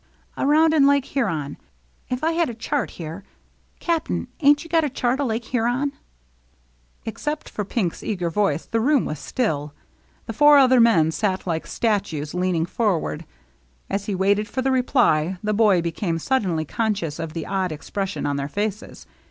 " Around in Lake Huron. If I had a chart here — Cap'n, ain't you got a chart o' Lake Huron ?" Except for Pink's eager voice, the room was still. The four other men sat like statues, leaning forward. As he waited for the reply, the boy became suddenly conscious of the odd expres sion of their faces.